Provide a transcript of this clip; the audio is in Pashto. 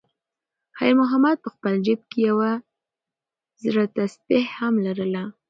خیر محمد په خپل جېب کې یوه زړه تسبېح هم لرله.